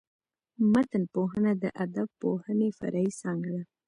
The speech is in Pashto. متنپوهنه د ادبپوهني فرعي څانګه ده.